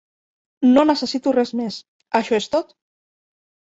No necessito res més, això és tot!